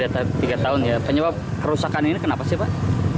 tiga tahun ya penyebab kerusakan ini kenapa sih pak